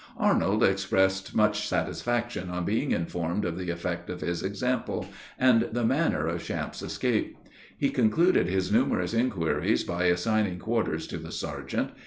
Arnold expressed much satisfaction on being informed of the effect of his example, and the manner of Champe's escape. He concluded his numerous inquiries by assigning quarters to the sergeant.